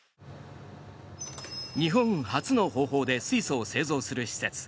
日本初の方法で水素を製造する施設。